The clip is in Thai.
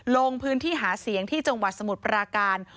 ลงพื้นที่หาเสียงที่จังหวัดสมุทรปราการ